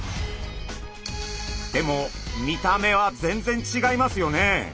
でも見た目は全然違いますよね。